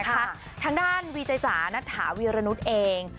ทางด้านวีเจจ๋านัทถาวีรนุษย์เอง